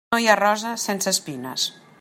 No hi ha rosa sense espines.